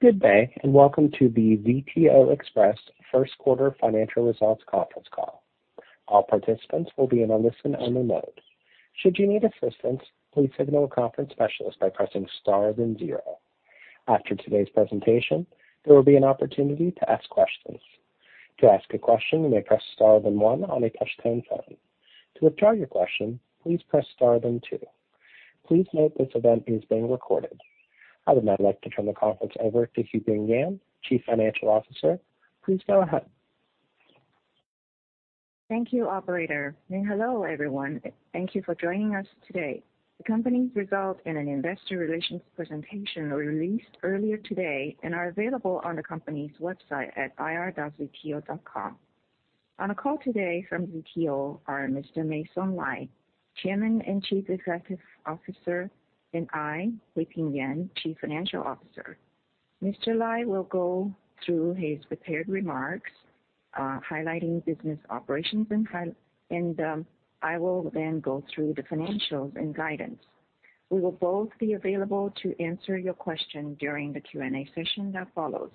Good day, welcome to the ZTO Express first quarter financial results conference call. All participants will be in a listen-only mode. Should you need assistance, please signal a conference specialist by pressing star then zero. After today's presentation, there will be an opportunity to ask questions. To ask a question, you may press star then one on a touch-tone phone. To withdraw your question, please press star then two. Please note this event is being recorded. I would now like to turn the conference over to Huiping Yan, Chief Financial Officer. Please go ahead. Thank you, operator. Hello, everyone. Thank you for joining us today. The company's results and an investor relations presentation were released earlier today and are available on the company's website at ir.zto.com. On the call today from ZTO are Mr. Meisong Lai, Chairman and Chief Executive Officer, and I, Huiping Yan, Chief Financial Officer. Mr. Lai will go through his prepared remarks, highlighting business operations, and I will then go through the financials and guidance. We will both be available to answer your question during the Q&A session that follows.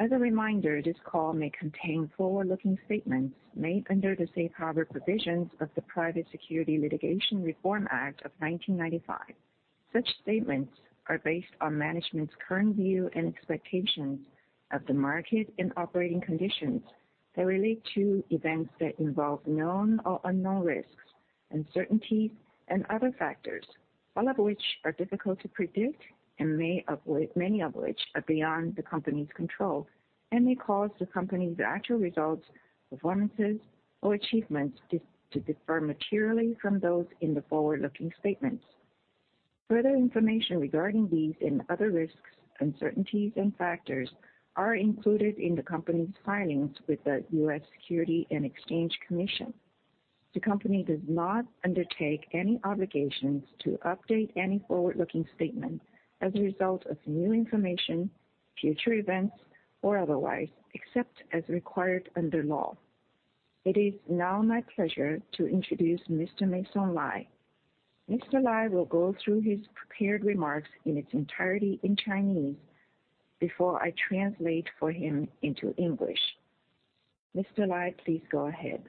As a reminder, this call may contain forward-looking statements made under the safe harbor provisions of the Private Securities Litigation Reform Act of 1995. Such statements are based on management's current view and expectations of the market and operating conditions that relate to events that involve known or unknown risks, uncertainties and other factors, all of which are difficult to predict, and many of which are beyond the company's control and may cause the company's actual results, performances or achievements to differ materially from those in the forward-looking statements. Further information regarding these and other risks, uncertainties and factors are included in the company's filings with the U.S. Securities and Exchange Commission. The company does not undertake any obligations to update any forward-looking statement as a result of new information, future events, or otherwise, except as required under law. It is now my pleasure to introduce Mr. Meisong Lai. Mr. Lai will go through his prepared remarks in its entirety in Chinese before I translate for him into English. Mr. Lai, please go ahead.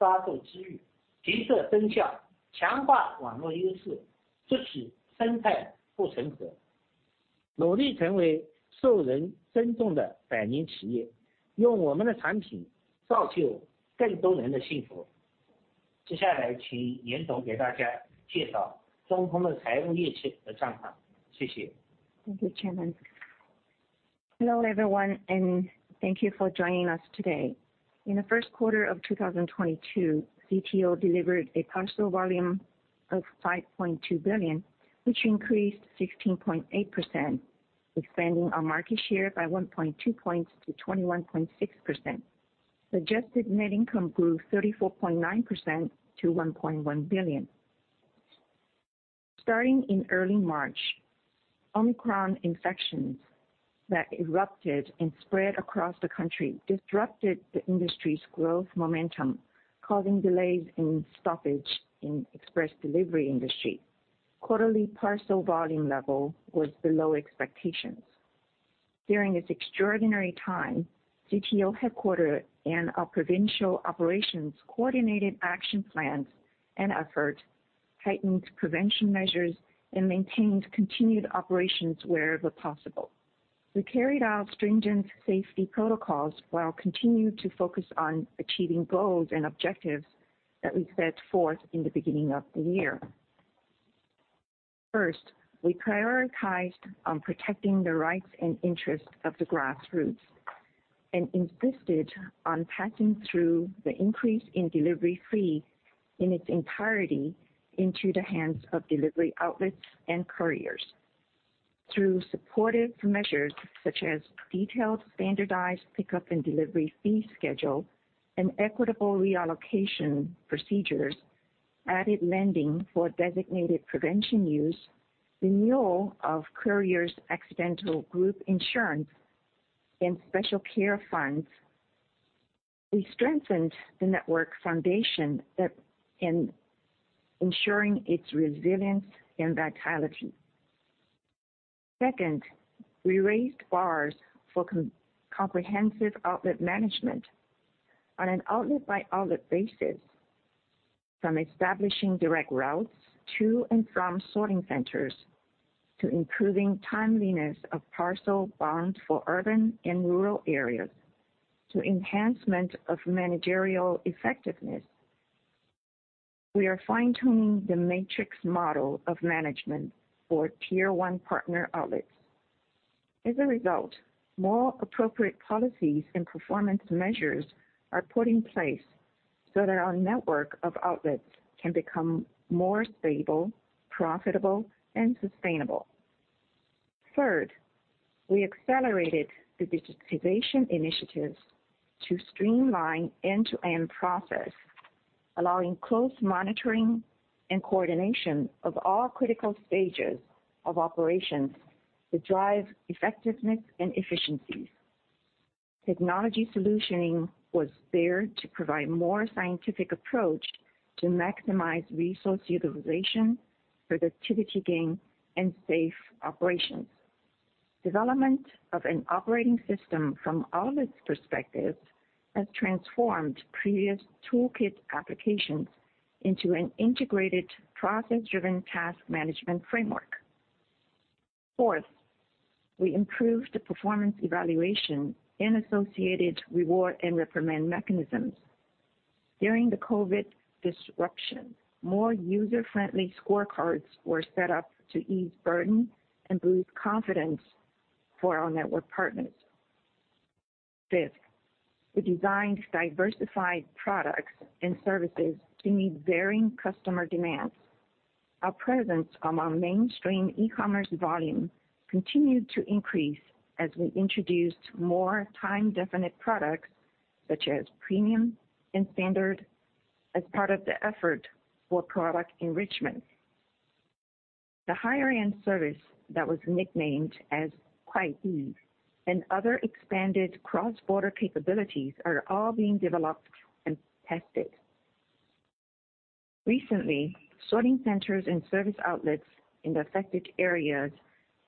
thank you for joining us today. In the first quarter of 2022, ZTO delivered a parcel volume of 5.2 billion, which increased 16.8%, expanding our market share by 1.2 points to 21.6%. Adjusted net income grew 34.9% to 1.1 billion. Starting in early March, Omicron infections that erupted and spread across the country disrupted the industry's growth momentum, causing delays and stoppage in express delivery industry. Quarterly parcel volume level was below expectations. During this extraordinary time, ZTO headquarters and our provincial operations coordinated action plans and efforts, heightened prevention measures, and maintained continued operations wherever possible. We carried out stringent safety protocols while continue to focus on achieving goals and objectives that we set forth in the beginning of the year. First, we prioritized on protecting the rights and interests of the grassroots, and insisted on passing through the increase in delivery fee in its entirety into the hands of delivery outlets and couriers. Through supportive measures such as detailed standardized pickup and delivery fee schedule and equitable reallocation procedures, added lending for designated prevention use, renewal of couriers accidental group insurance and special care funds, we strengthened the network foundation that in ensuring its resilience and vitality. Second, we raised bars for comprehensive outlet management on an outlet by outlet basis, from establishing direct routes to and from sorting centers, to improving timeliness of parcel bound for urban and rural areas, to enhancement of managerial effectiveness. We are fine-tuning the matrix model of management for tier one partner outlets. As a result, more appropriate policies and performance measures are put in place so that our network of outlets can become more stable, profitable, and sustainable. Third, we accelerated the digitization initiatives to streamline end-to-end process, allowing close monitoring and coordination of all critical stages of operations to drive effectiveness and efficiencies. Technology solutioning was there to provide more scientific approach to maximize resource utilization, productivity gain, and safe operations. Development of an operating system from all of its perspectives has transformed previous toolkit applications into an integrated process-driven task management framework. Fourth, we improved the performance evaluation and associated reward and reprimand mechanisms. During the COVID disruption, more user-friendly scorecards were set up to ease burden and boost confidence for our network partners. Fifth, we designed diversified products and services to meet varying customer demands. Our presence among mainstream e-commerce volume continued to increase as we introduced more time-definite products, such as premium and standard, as part of the effort for product enrichment. The higher-end service that was nicknamed as Kuaidi and other expanded cross-border capabilities are all being developed and tested. Recently, sorting centers and service outlets in the affected areas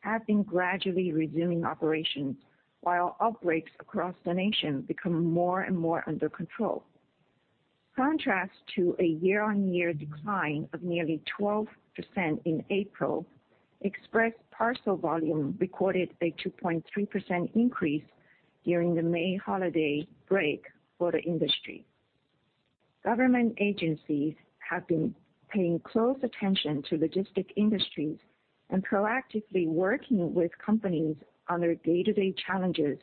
have been gradually resuming operations, while outbreaks across the nation become more and more under control. In contrast to a year-on-year decline of nearly 12% in April, express parcel volume recorded a 2.3% increase during the May holiday break for the industry. Government agencies have been paying close attention to logistics industries and proactively working with companies on their day-to-day challenges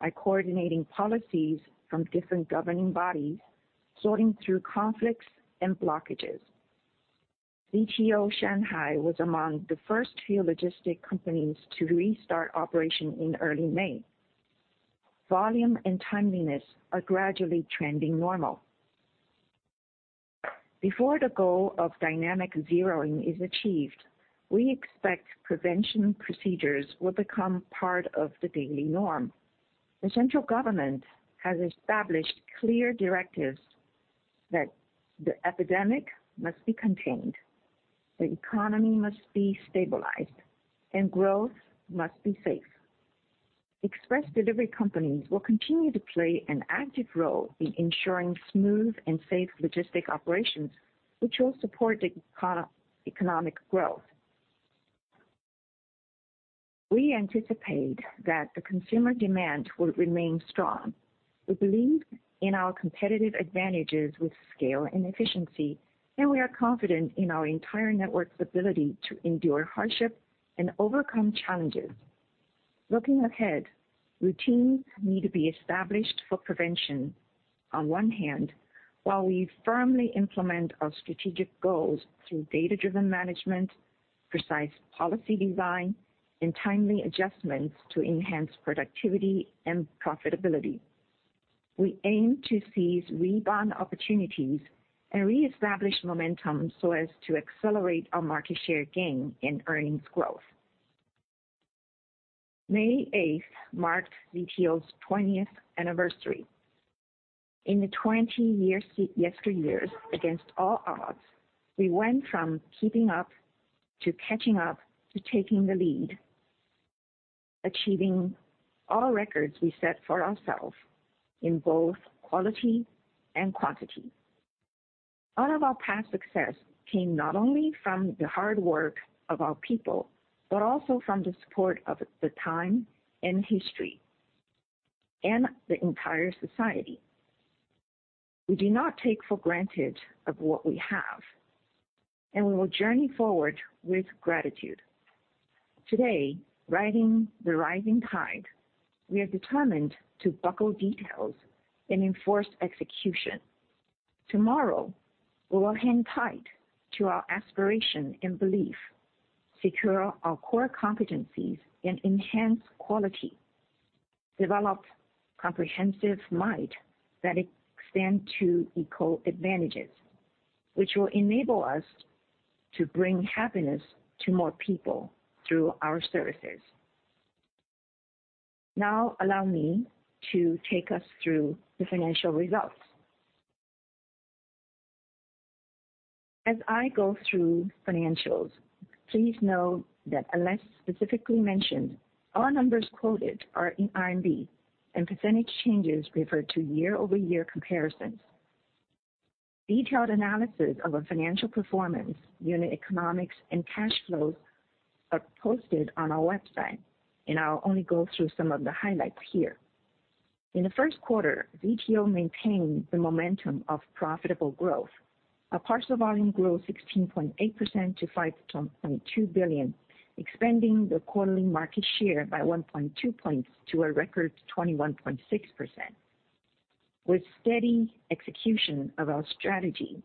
by coordinating policies from different governing bodies, sorting through conflicts and blockages. ZTO Shanghai was among the first few logistics companies to restart operations in early May. Volume and timeliness are gradually trending normal. Before the goal of dynamic zeroing is achieved, we expect prevention procedures will become part of the daily norm. The central government has established clear directives that the epidemic must be contained, the economy must be stabilized, and growth must be safe. Express delivery companies will continue to play an active role in ensuring smooth and safe logistics operations, which will support the economic growth. We anticipate that the consumer demand will remain strong. We believe in our competitive advantages with scale and efficiency, and we are confident in our entire network's ability to endure hardship and overcome challenges. Looking ahead, routines need to be established for prevention on one hand, while we firmly implement our strategic goals through data-driven management, precise policy design, and timely adjustments to enhance productivity and profitability. We aim to seize rebound opportunities and reestablish momentum so as to accelerate our market share gain and earnings growth. May eighth marked ZTO's twentieth anniversary. In the yesteryears, against all odds, we went from keeping up to catching up to taking the lead, achieving all records we set for ourselves in both quality and quantity. All of our past success came not only from the hard work of our people, but also from the support of the time and history and the entire society. We do not take for granted of what we have, and we will journey forward with gratitude. Today, riding the rising tide, we are determined to buckle details and enforce execution. Tomorrow, we will hang tight to our aspiration and belief, secure our core competencies and enhance quality, develop comprehensive might that extend to eco advantages, which will enable us to bring happiness to more people through our services. Now allow me to take us through the financial results. As I go through financials, please note that unless specifically mentioned, all numbers quoted are in RMB, and percentage changes refer to year-over-year comparisons. Detailed analysis of our financial performance, unit economics, and cash flows are posted on our website, and I'll only go through some of the highlights here. In the first quarter, ZTO maintained the momentum of profitable growth. Our parcel volume grew 16.8% to 5.2 billion, expanding the quarterly market share by 1.2 points to a record 21.6%. With steady execution of our strategy,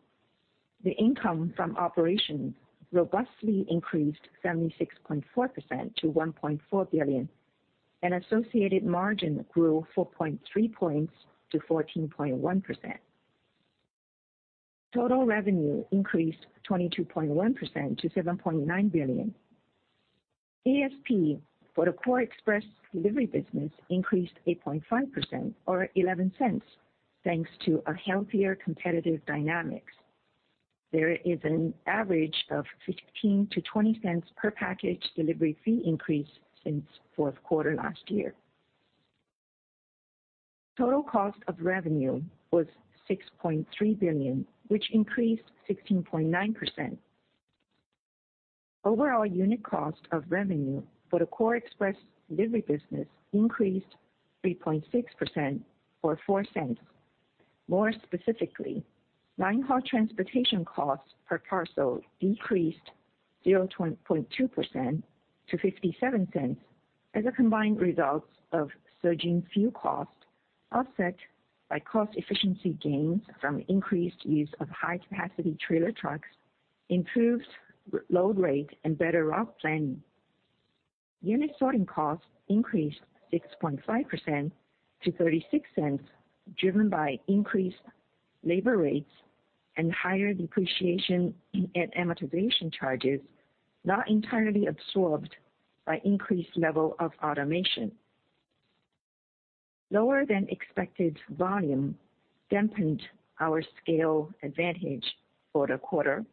the income from operations robustly increased 76.4% to 1.4 billion, and associated margin grew 4.3 points to 14.1%. Total revenue increased 22.1% to 7.9 billion. ASP for the core express delivery business increased 8.5% or 0.11, thanks to a healthier competitive dynamics. There is an average of 0.15-0.20 per package delivery fee increase since fourth quarter last year. Total cost of revenue was 6.3 billion, which increased 16.9%. Overall unit cost of revenue for the core express delivery business increased 3.6% or 0.04. More specifically, line-haul transportation costs per parcel decreased 0.2% to 0.57 as a combined result of surging fuel costs offset by cost efficiency gains from increased use of high-capacity trailer trucks, improved load rate, and better route planning. Unit sorting costs increased 6.5% to 0.36, driven by increased labor rates and higher depreciation and amortization charges, not entirely absorbed by increased level of automation. Lower than expected volume dampened our scale advantage for the quarter.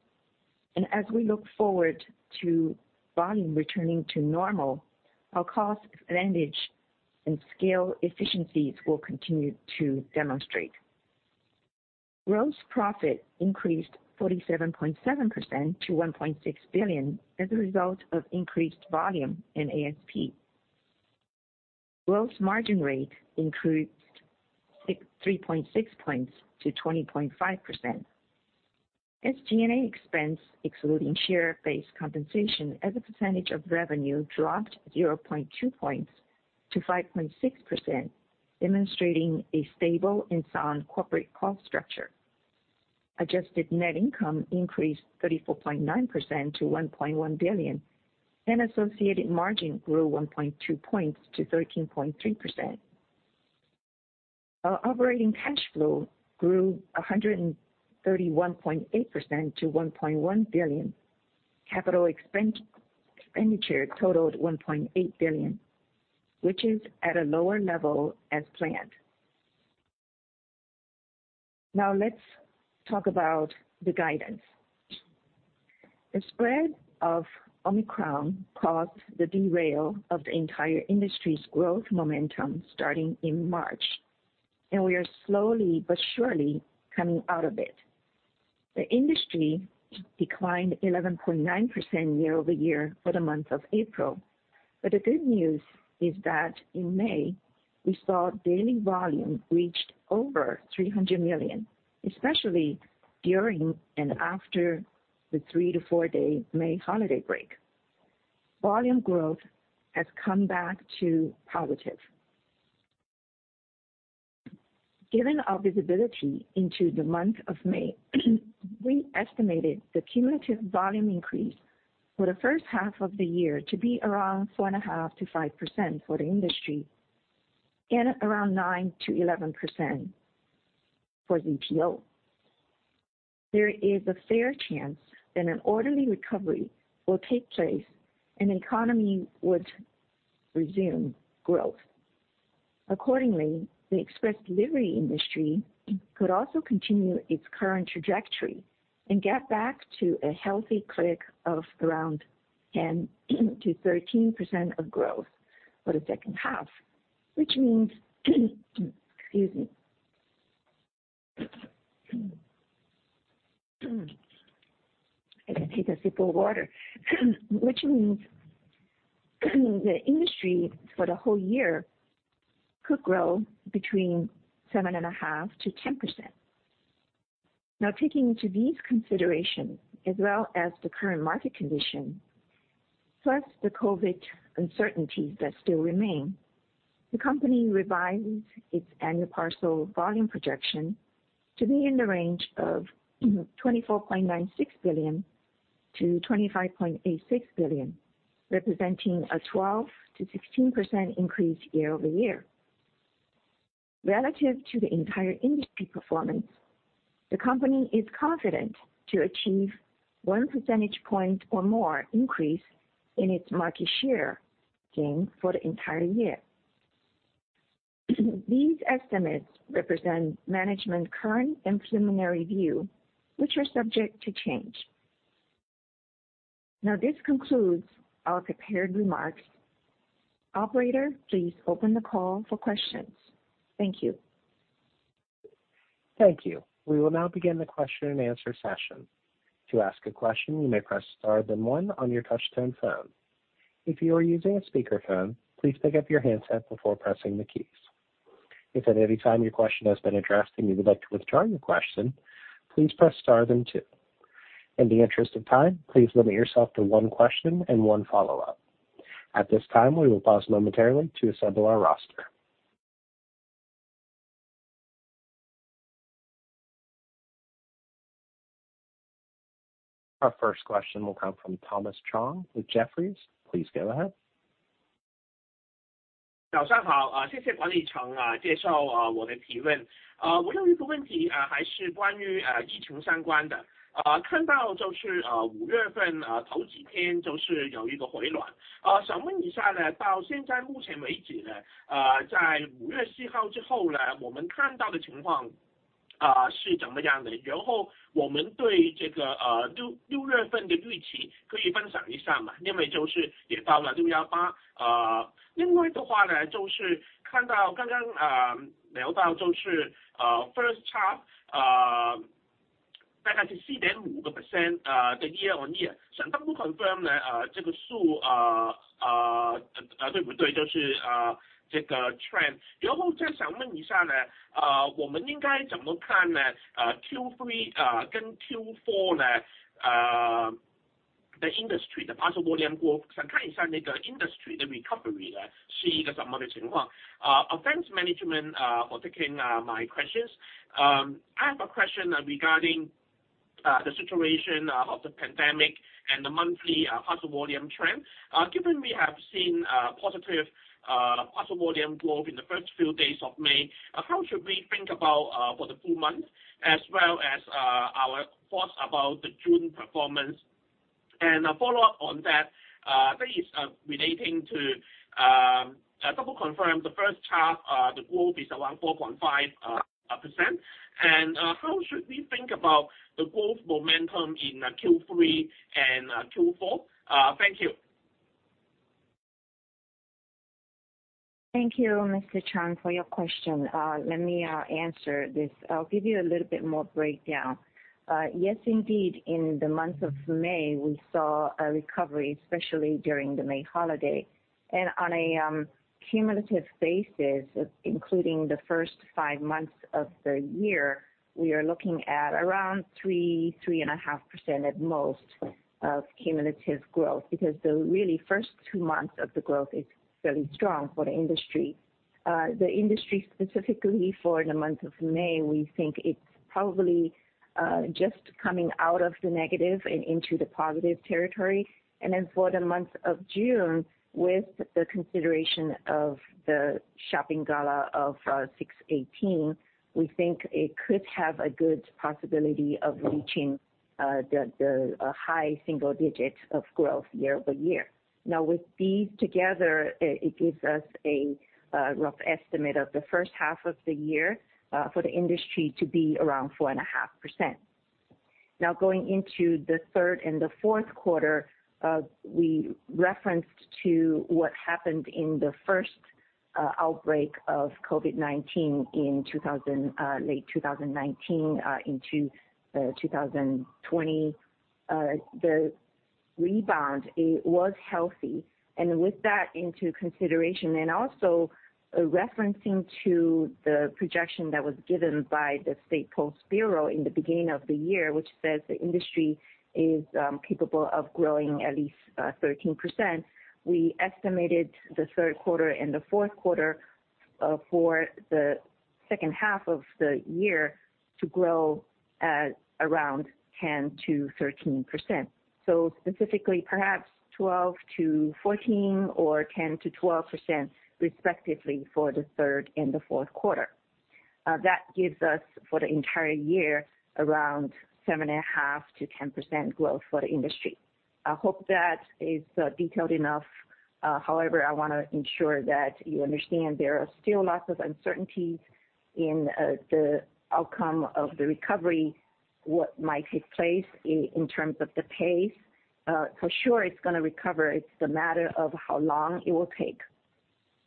As we look forward to volume returning to normal, our cost advantage and scale efficiencies will continue to demonstrate. Gross profit increased 47.7% to 1.6 billion as a result of increased volume in ASP. Gross margin rate increased three point six points to 20.5%. SG&A expense excluding share-based compensation as a percentage of revenue dropped 0.2 points to 5.6%, demonstrating a stable and sound corporate cost structure. Adjusted net income increased 34.9% to 1.1 billion, and associated margin grew 1.2 points to 13.3%. Our operating cash flow grew 131.8% to 1.1 billion. Capital expenditure totaled 1.8 billion, which is at a lower level as planned. Now let's talk about the guidance. The spread of Omicron caused the derailment of the entire industry's growth momentum starting in March, and we are slowly but surely coming out of it. The industry declined 11.9% year-over-year for the month of April. The good news is that in May, we saw daily volume reached over 300 million, especially during and after the 3- to 4-day May holiday break. Volume growth has come back to positive. Given our visibility into the month of May, we estimated the cumulative volume increase for the first half of the year to be around 4.5%-5% for the industry and around 9%-11% for ZTO. There is a fair chance that an orderly recovery will take place and the economy would resume growth. Accordingly, the express delivery industry could also continue its current trajectory and get back to a healthy clip of around 10%-13% growth for the second half, which means excuse me. I gotta take a sip of water. Which means the industry for the whole year could grow between 7.5% and 10%. Now, taking these into consideration, as well as the current market condition, plus the COVID uncertainties that still remain, the company revised its annual parcel volume projection to be in the range of 24.96 billion-25.86 billion, representing a 12%-16% increase year-over-year. Relative to the entire industry performance, the company is confident to achieve 1 percentage point or more increase in its market share gain for the entire year. These estimates represent management's current and preliminary view, which are subject to change. Now, this concludes our prepared remarks. Operator, please open the call for questions. Thank you. Thank you. We will now begin the question and answer session. To ask a question, you may press star then one on your touchtone phone. If you are using a speaker phone, please pick up your handset before pressing the keys. If at any time your question has been addressed and you would like to withdraw your question, please press star then two. In the interest of time, please limit yourself to one question and one follow-up. At this time, we will pause momentarily to assemble our roster. Our first question will come from Thomas Chong with Jefferies. Please go ahead. Thanks management for taking my questions. I have a question regarding the situation of the pandemic and the monthly parcel volume trend. Given we have seen positive parcel volume growth in the first few days of May, how should we think about for the full month as well as our thoughts about the June performance? A follow-up on that that is relating to double confirm the first half the growth is around 4.5%. How should we think about the growth momentum in Q3 and Q4? Thank you. Thank you, Mr. Chong, for your question. Let me answer this. I'll give you a little bit more breakdown. Yes, indeed. In the month of May, we saw a recovery, especially during the May holiday. On a cumulative basis, including the first 5 months of the year, we are looking at around 3-3.5% at most of cumulative growth, because the really first 2 months of the growth is fairly strong for the industry. The industry, specifically for the month of May, we think it's probably just coming out of the negative and into the positive territory. Then for the month of June, with the consideration of the shopping gala of 618, we think it could have a good possibility of reaching the high single digits of growth year-over-year. Now, with these together, it gives us a rough estimate of the first half of the year for the industry to be around 4.5%. Now going into the third and the fourth quarter, we referenced to what happened in the first outbreak of COVID-19 in late 2019 into 2020. The rebound, it was healthy. With that into consideration and also referencing to the projection that was given by the State Post Bureau in the beginning of the year, which says the industry is capable of growing at least 13%, we estimated the third quarter and the fourth quarter for the second half of the year to grow at around 10%-13%. Specifically perhaps 12%-14% or 10%-12% respectively for the third and the fourth quarter. That gives us for the entire year around 7.5%-10% growth for the industry. I hope that is detailed enough. However, I want to ensure that you understand there are still lots of uncertainties in the outcome of the recovery, what might take place in terms of the pace. For sure it's going to recover. It's the matter of how long it will take.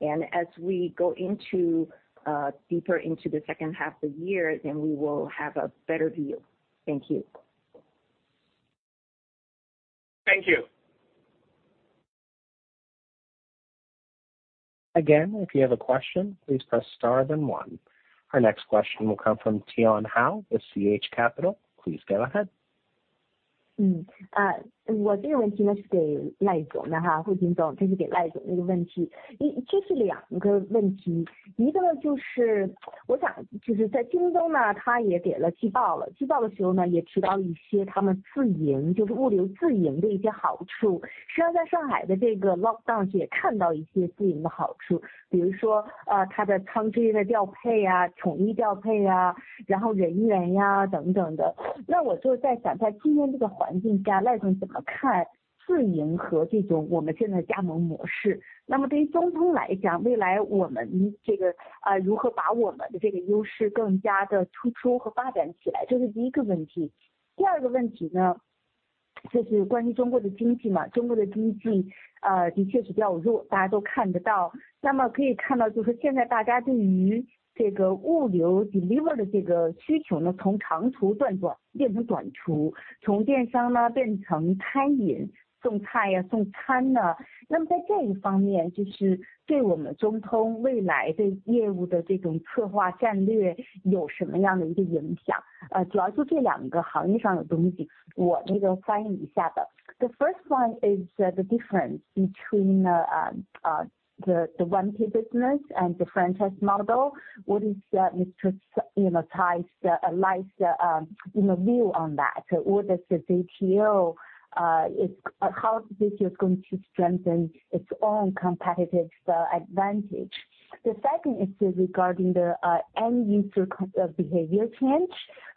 As we go deeper into the second half of the year, then we will have a better view. Thank you. Thank you. Again, if you have a question, please press star then one. Our next question will come from Tian Hao with TH Capital. Please go ahead. 就是关于中国的经济嘛，中国的经济啊，的确是比较弱，大家都看得到。那么可以看到就是现在大家对于这个物流 delivery 的这个需求呢，从长途变短变成短途，从电商呢变成餐饮、送菜呀、送餐呢。那么在这一方面，就是对我们中通未来的业务的这种策划战略有什么样的一个影响？主要是这两个行业上的东西，我那个翻译一下的。The first one is the difference between the one business and the franchise model. What is that, Mr. Lai, you know, view on that. What is the ZTO's how this is going to strengthen its own competitive advantage. The second is regarding the end user behavior change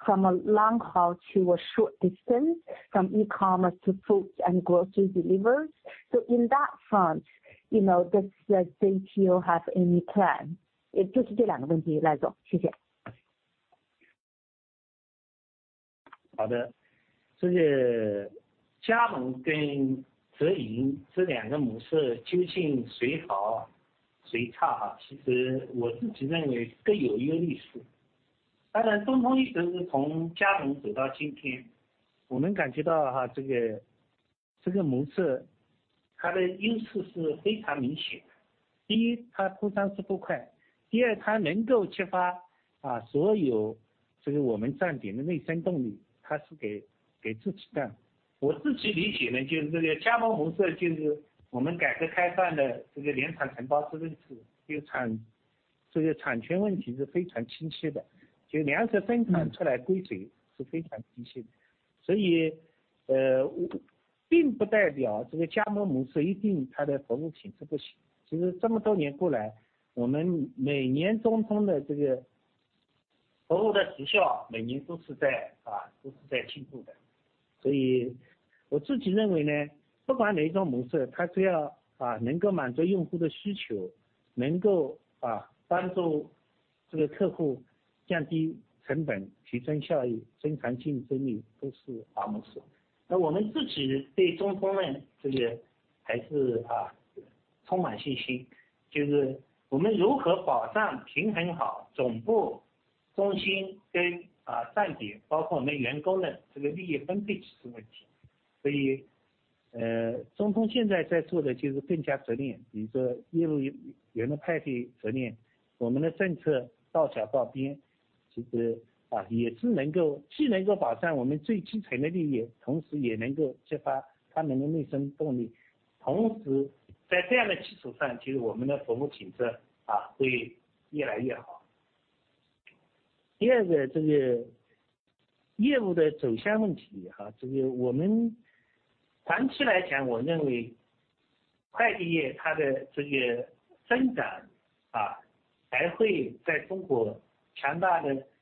from a long haul to a short distance from e-commerce to food and grocery delivery. In that front, you know, does the ZTO have any plan? 就是这两个问 题， 赖 总， 谢谢。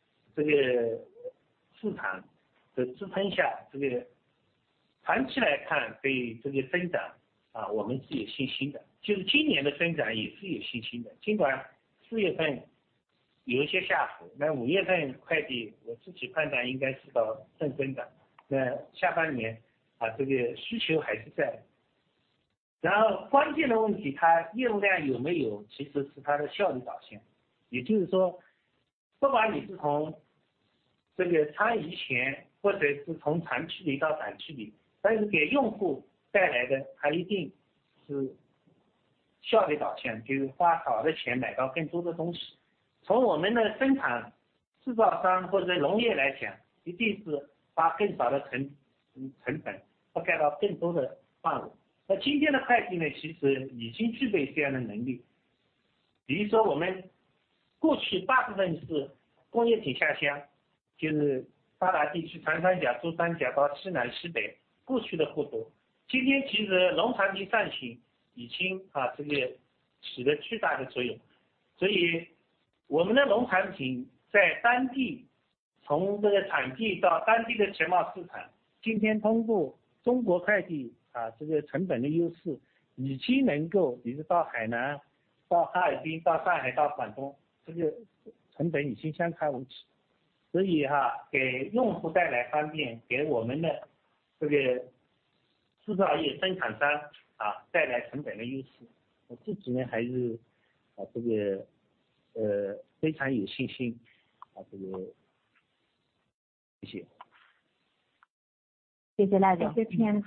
谢谢赖总。Thank you, Tian,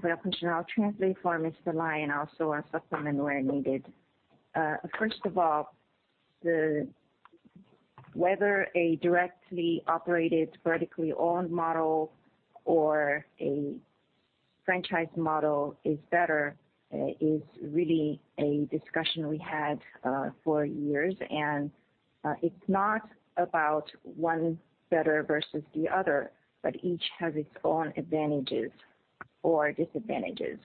for your question. I'll translate for Mr. Lai and also supplement where needed. First of all, whether a directly operated vertically owned model or a franchise model is better is really a discussion we had for years. It's not about one better versus the other, but each has its own advantages or disadvantages.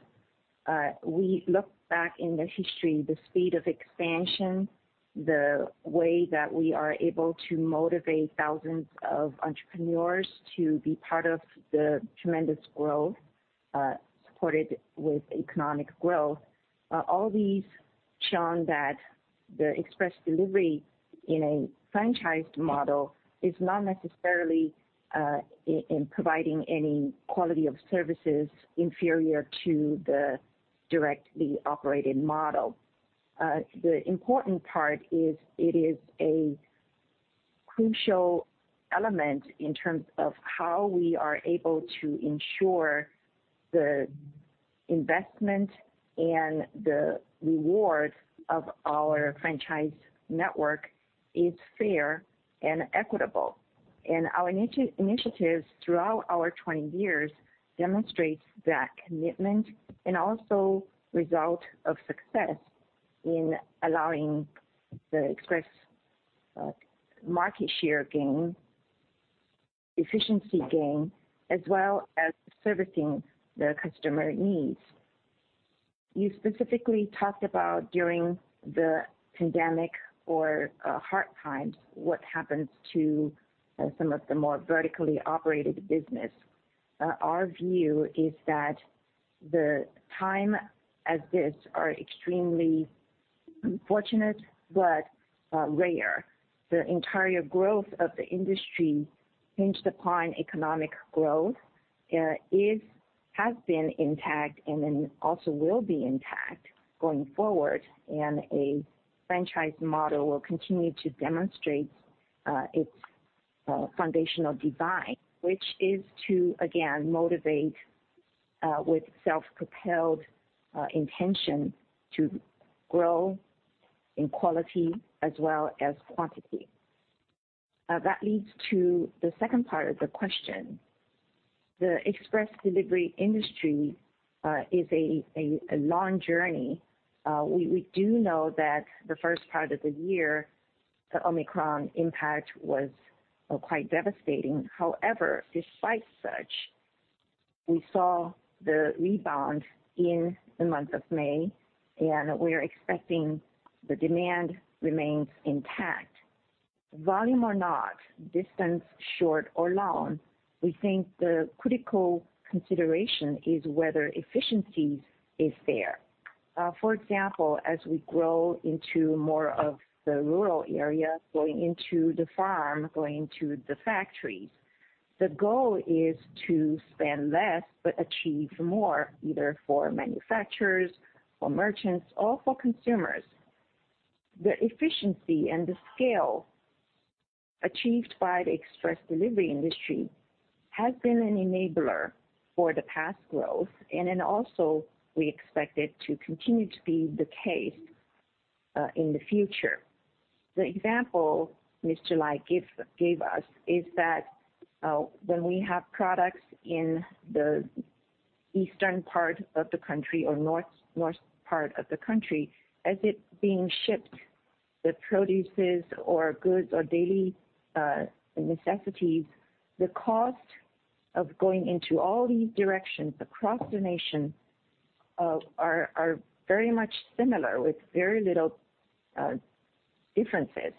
We look back in the history, the speed of expansion, the way that we are able to motivate thousands of entrepreneurs to be part of the tremendous growth supported with economic growth. All these show that the express delivery in a franchised model is not necessarily in providing any quality of services inferior to the directly operated model. The important part is it is a crucial element in terms of how we are able to ensure the investment and the reward of our franchise network is fair and equitable. Our initiatives throughout our 20 years demonstrate that commitment and also result of success in allowing the express market share gain, efficiency gain, as well as servicing the customer needs. You specifically talked about during the pandemic or hard times, what happens to some of the more vertically operated business. Our view is that the time as this are extremely fortunate but rare. The entire growth of the industry hinged upon economic growth, has been intact and then also will be intact going forward, and a franchise model will continue to demonstrate its foundational design, which is to, again, motivate with self-propelled intention to grow in quality as well as quantity. That leads to the second part of the question. The express delivery industry is a long journey. We do know that the first part of the year, the Omicron impact was quite devastating. However, despite such, we saw the rebound in the month of May, and we are expecting the demand remains intact. Volume or not, distance short or long, we think the critical consideration is whether efficiencies is there. For example, as we grow into more of the rural areas, going into the farm, going to the factories, the goal is to spend less but achieve more, either for manufacturers, for merchants or for consumers. The efficiency and the scale achieved by the express delivery industry has been an enabler for the past growth. We expect it to continue to be the case in the future. The example Mr. Lai gave us is that, when we have products in the eastern part of the country or north part of the country, as it being shipped, the produces or goods or daily necessities, the cost of going into all these directions across the nation are very much similar with very little differences.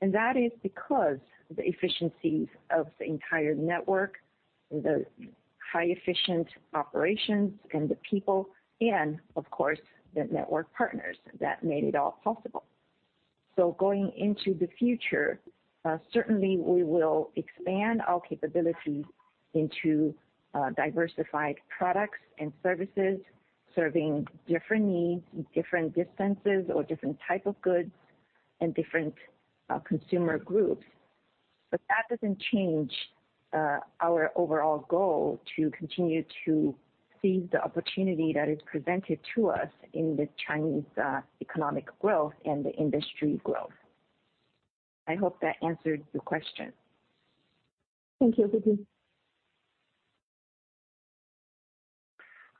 That is because the efficiencies of the entire network, the high efficient operations and the people and of course, the network partners that made it all possible. Going into the future, certainly we will expand our capabilities into diversified products and services, serving different needs, different distances or different type of goods and different consumer groups. That doesn't change our overall goal to continue to seize the opportunity that is presented to us in the Chinese economic growth and the industry growth. I hope that answered your question. Thank you, Huiping.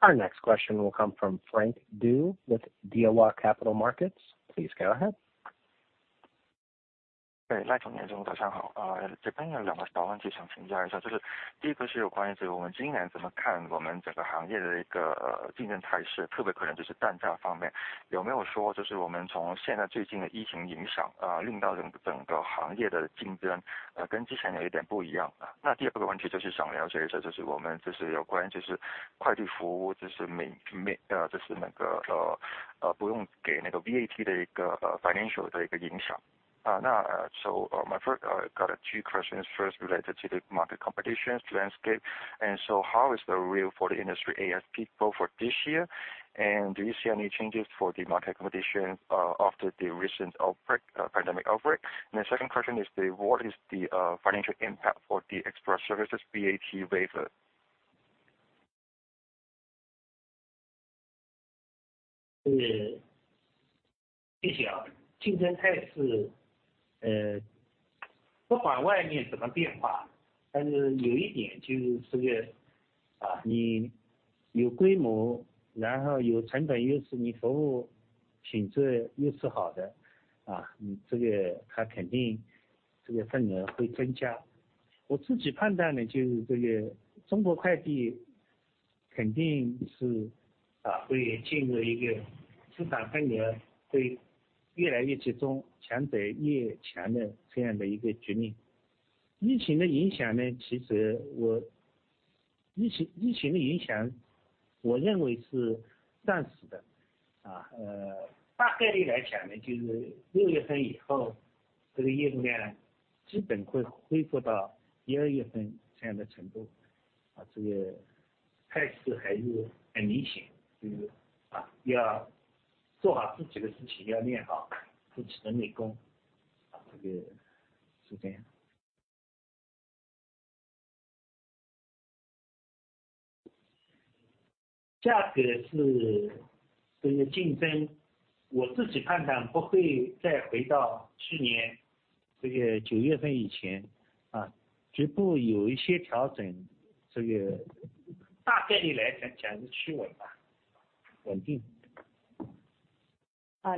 Our next question will come from Frank Yip with Daiwa Capital Markets. Please go ahead. 对，赖总跟颜总好。这边有两个小问题想请教一下。第一个是有关于我们今年怎么看整个行业的竞争态势，特别可能就是单价方面。有没有说就是我们从现在最近的疫情影响，令到整个行业的竞争 跟之前有点不一样。那第二个问题是想了解一下，就是我们，就是有关，就是快递服务，就是那个，不用给那个VAT的一个，financial的一个影响。Now, my first, got two questions. First related to the market competition landscape. How is the real for the industry ASP go for this year? Do you see any changes for the market competition, after the recent outbreak, pandemic outbreak? The second question is what is the financial impact for the express services VAT waiver?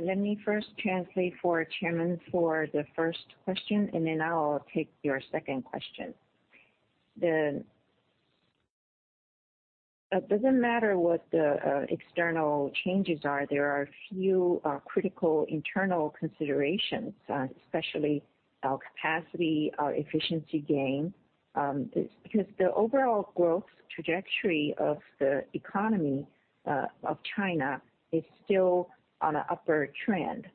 Let me first translate for Chairman for the first question, and then I'll take your second question. It doesn't matter what the external changes are. There are a few critical internal considerations, especially our capacity, our efficiency gain, because the overall growth trajectory of the economy of China is still on an upward trend,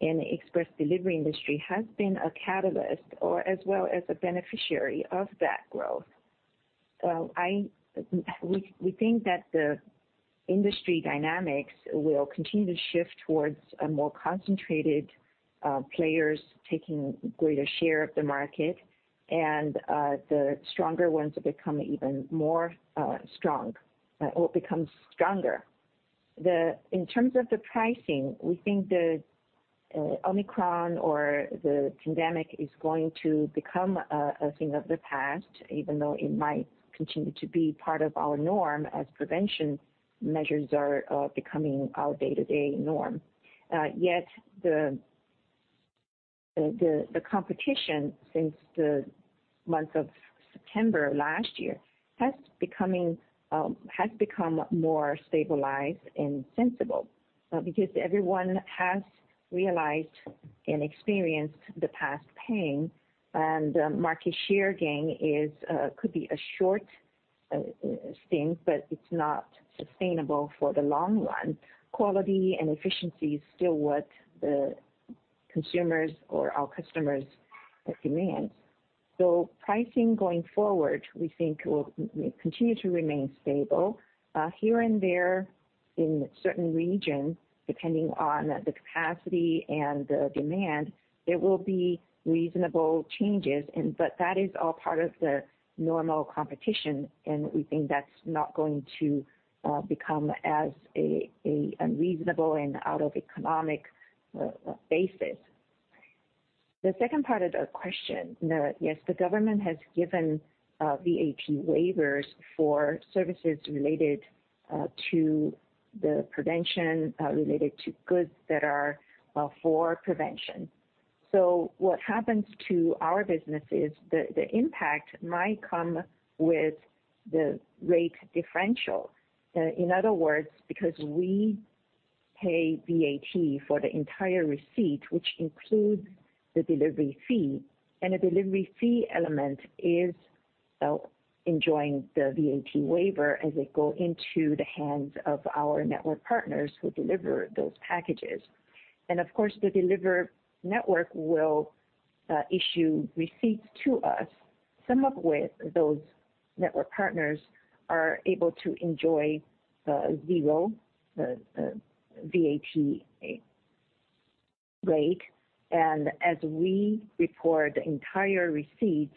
and the express delivery industry has been a catalyst as well as a beneficiary of that growth. We think that the industry dynamics will continue to shift towards a more concentrated players taking greater share of the market and the stronger ones will become even stronger. In terms of the pricing, we think the Omicron or the pandemic is going to become a thing of the past, even though it might continue to be part of our norm as prevention measures are becoming our day-to-day norm. The competition since the month of September last year has become more stabilized and sensible, because everyone has realized and experienced the past pain, and market share gain could be a short stint, but it's not sustainable for the long run. Quality and efficiency is still what the consumers or our customers demand. Pricing going forward, we think will continue to remain stable here and there in certain regions, depending on the capacity and the demand, there will be reasonable changes, but that is all part of the normal competition, and we think that's not going to become a unreasonable and out of economic basis. The second part of the question, the Yes, the government has given VAT waivers for services related to the prevention related to goods that are for prevention. What happens to our businesses, the impact might come with the rate differential. In other words, because we pay VAT for the entire receipt, which includes the delivery fee, and the delivery fee element is enjoying the VAT waiver as they go into the hands of our network partners who deliver those packages. Of course, the delivery network will issue receipts to us. Some of those network partners are able to enjoy zero VAT rate. As we report the entire receipts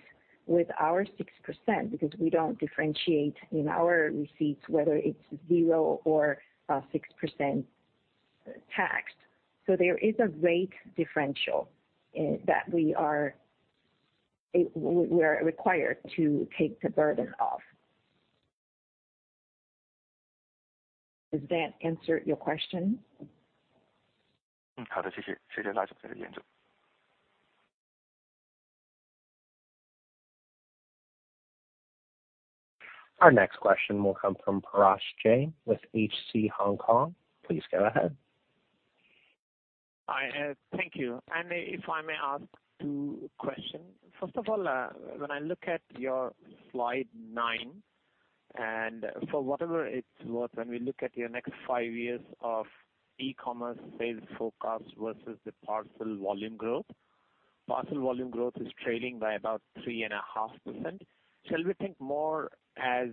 with our 6%, because we don't differentiate in our receipts whether it's zero or 6% taxed. There is a rate differential that we are. We're required to take the burden off. Does that answer your question? Our next question will come from Parash Jain with HSBC Hong Kong. Please go ahead. Hi, thank you. If I may ask two questions. First of all, when I look at your slide 9, and for whatever it's worth, when we look at your next five years of e-commerce sales forecast versus the parcel volume growth, parcel volume growth is trailing by about 3.5%. Shall we think more as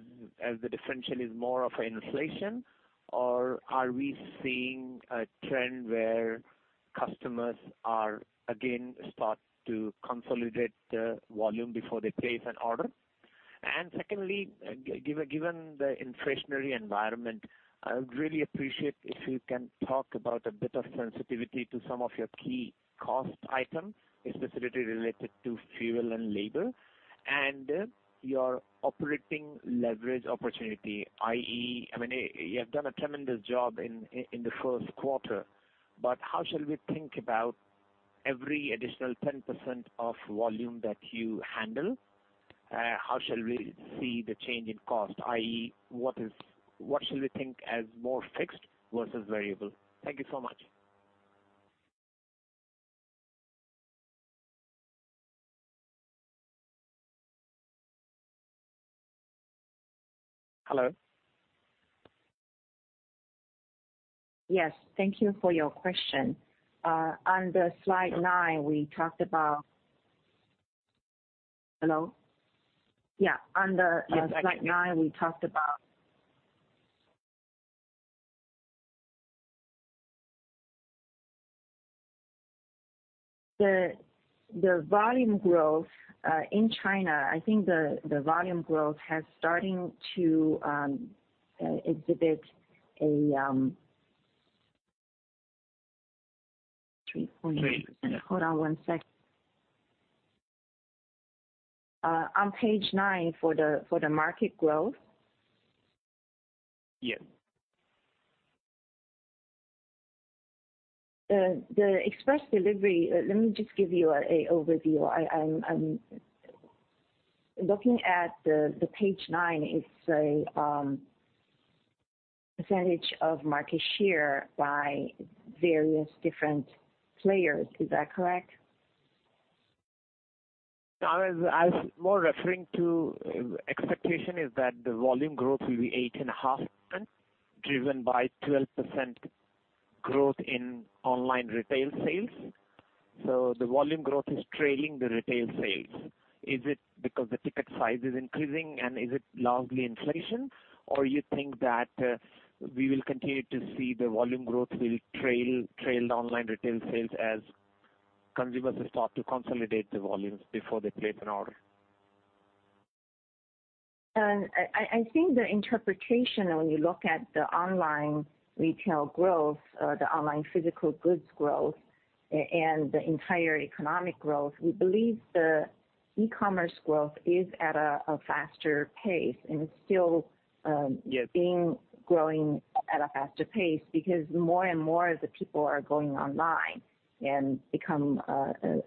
the differential is more of an inflation? Or are we seeing a trend where customers are again start to consolidate the volume before they place an order? And secondly, given the inflationary environment, I would really appreciate if you can talk about a bit of sensitivity to some of your key cost items, specifically related to fuel and labor, and your operating leverage opportunity, i.e. I mean, you have done a tremendous job in the first quarter. How shall we think about every additional 10% of volume that you handle? How shall we see the change in cost, i.e., what shall we think as more fixed versus variable? Thank you so much. Hello? Yes, thank you for your question. On slide 9, we talked about the volume growth in China. I think the volume growth has starting to exhibit a. Hold on one sec. On page 9 for the market growth. Yes. The express delivery. Let me just give you an overview. I'm looking at the page nine. It says percentage of market share by various different players. Is that correct? No, I was more referring to expectation is that the volume growth will be 8.5%, driven by 12% growth in online retail sales. The volume growth is trailing the retail sales. Is it because the ticket size is increasing, and is it largely inflation? Or you think that we will continue to see the volume growth will trail the online retail sales as consumers start to consolidate the volumes before they place an order? I think the interpretation when you look at the online retail growth, the online physical goods growth and the entire economic growth, we believe the e-commerce growth is at a faster pace and still. Yeah. Being growing at a faster pace because more and more the people are going online and becoming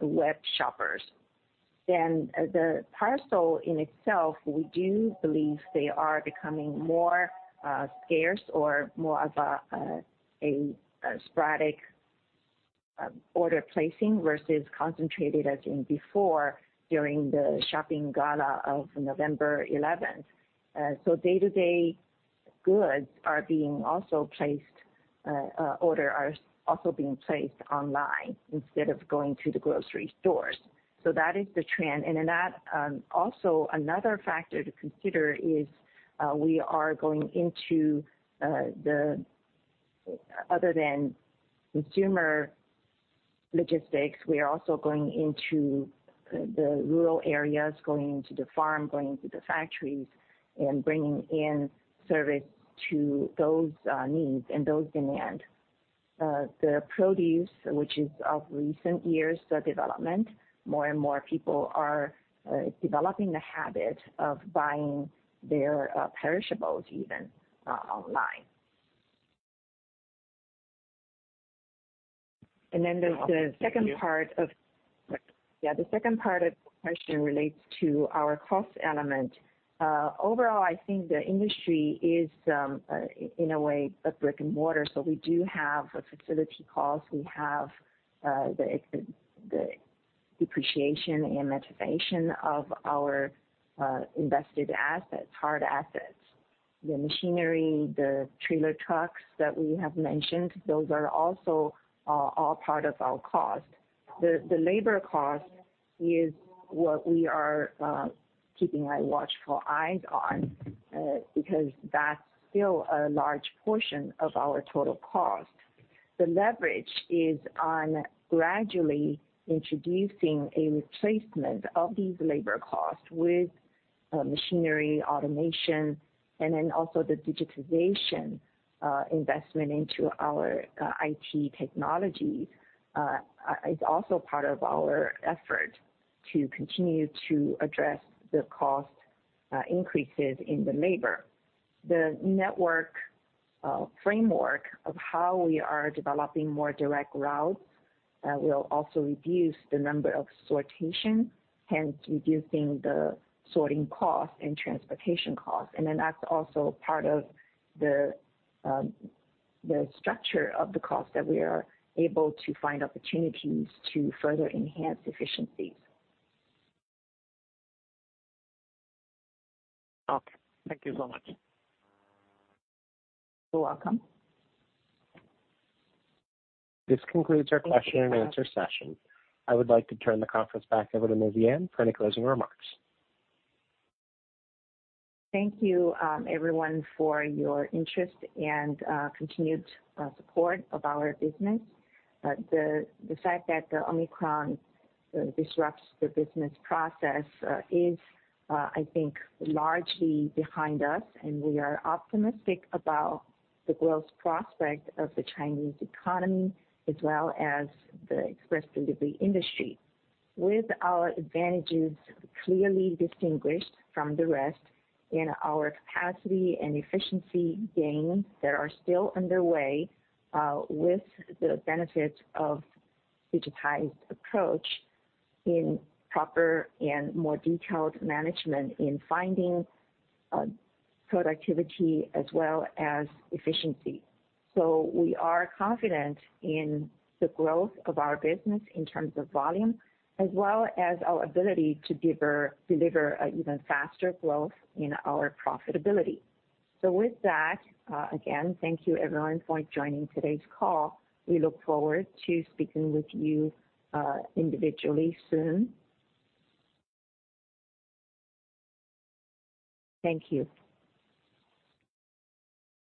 web shoppers. The parcel in itself, we do believe they are becoming more scarce or more of a sporadic order placing versus concentrated as in before, during the shopping gala of November eleventh. Day-to-day goods are being also placed, orders are also being placed online instead of going to the grocery stores. That is the trend. That also another factor to consider is we are going into other than consumer logistics, we are also going into the rural areas, going into the farms, going into the factories and bringing in service to those needs and those demands. The produce, which is of recent years the development, more and more people are developing the habit of buying their perishables even online. The second part of question relates to our cost element. Overall, I think the industry is in a way a brick-and-mortar. We do have a facility cost. We have the depreciation and amortization of our invested assets, hard assets. The machinery, the trailer trucks that we have mentioned, those are also all part of our cost. The labor cost is what we are keeping a watchful eyes on because that's still a large portion of our total cost. The leverage is on gradually introducing a replacement of these labor costs with machinery, automation, and then also the digitization investment into our IT technologies is also part of our effort to continue to address the cost increases in the labor. The network framework of how we are developing more direct routes will also reduce the number of sortation, hence reducing the sorting cost and transportation cost. That's also part of the structure of the cost that we are able to find opportunities to further enhance efficiencies. Okay, thank you so much. You're welcome. This concludes our question and answer session. I would like to turn the conference back over to Huiping Yan for any closing remarks. Thank you, everyone for your interest and continued support of our business. The fact that the Omicron disrupts the business process is, I think largely behind us, and we are optimistic about the growth prospect of the Chinese economy as well as the express delivery industry. With our advantages clearly distinguished from the rest and our capacity and efficiency gains that are still underway, with the benefit of digitized approach in proper and more detailed management in finding productivity as well as efficiency. We are confident in the growth of our business in terms of volume as well as our ability to deliver an even faster growth in our profitability. With that, again, thank you everyone for joining today's call. We look forward to speaking with you individually soon. Thank you.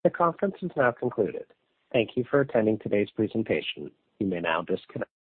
The conference is now concluded. Thank you for attending today's presentation. You may now disconnect.